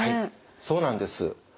そうなんです。